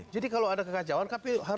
jadi kalau ada kekacauan kpu harus